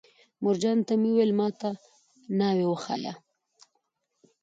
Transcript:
مورجانې ته مې ویل: ما ته ناوې وښایه.